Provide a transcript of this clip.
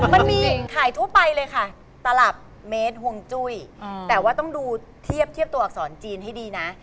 มันมีขายทั่วไปเลยค่ะตลับเมตรห่วงจุ้ยแต่ว่าต้องดูเทียบตัวอักษรจีนให้ดีนะ